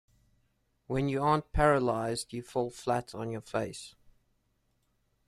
When you aren't paralyzed, you fall flat on your face.